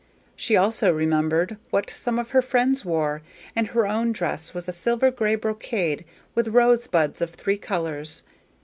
She also remembered what some of her friends wore, and her own dress was a silver gray brocade with rosebuds of three colors.